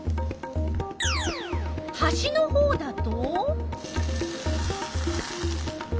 はしのほうだと？